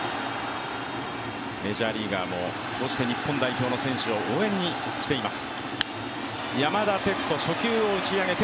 メジャーリーガーも、こうして日本代表の選手を応援に来ています。